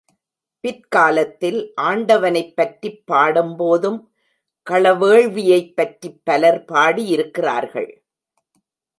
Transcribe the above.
பிற்காலத்தில் ஆண்டவனைப் பற்றிப் பாடும்போதும் களவேள்வியைப் பற்றிப் பலர் பாடியிருக்கிறார்கள்.